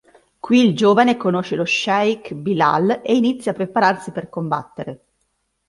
Qui il giovane conosce lo "sheikh" Bilal e inizia a prepararsi per combattere.